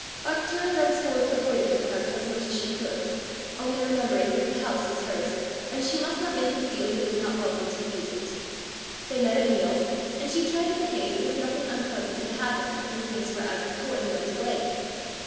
Arctura thenceforth avoided her cousin as much as she could only remembering that the house was hers, and she must not make him feel he was not welcome to use it. They met at meals, and she tried to behave as if nothing unpleasant had happened and things were as before he went away.